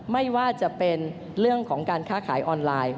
ไม่ว่าจะเป็นเรื่องของการค้าขายออนไลน์